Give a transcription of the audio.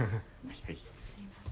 すいません。